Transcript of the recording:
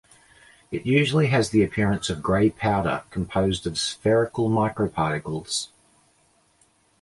It usually has the appearance of grey powder, composed of spherical microparticles.